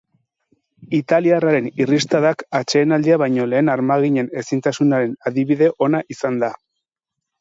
Italiarraren irristadak atsedenaldia baino lehen armaginen ezintasunaren adibide ona izan da.